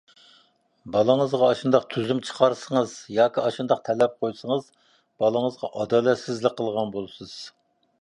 بالىڭىزغا ئاشۇنداق تۈزۈم چىقارسىڭىز، ياكى ئاشۇنداق تەلەپ قويسىڭىز، بالىڭىزغا ئادالەتسىزلىك قىلغان بولىسىز.